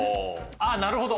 ああなるほど。